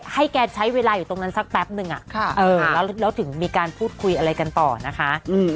ให้แกใช้เวลาอยู่ตรงนั้นสักแป๊บนึงแล้วถึงมีการพูดคุยอะไรกันต่อนะคะ